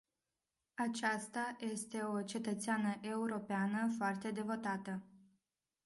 Aceasta este o cetățeană europeană foarte devotată.